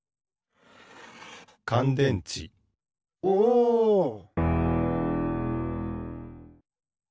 おお！